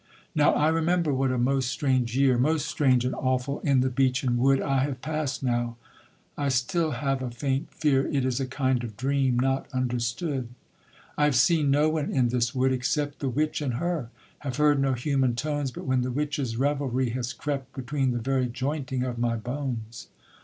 Now I remember what a most strange year, Most strange and awful, in the beechen wood I have pass'd now; I still have a faint fear It is a kind of dream not understood. I have seen no one in this wood except The witch and her; have heard no human tones, But when the witches' revelry has crept Between the very jointing of my bones.